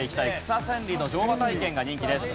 草千里の乗馬体験が人気です。